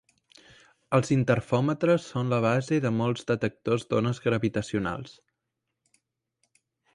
Els interfòmetres són la base de molts detectors d'ones gravitacionals.